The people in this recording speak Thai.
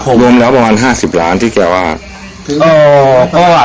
รวมแล้วประมาณ๕๐ล้านเขาว่า